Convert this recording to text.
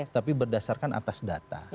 tapi berdasarkan atas data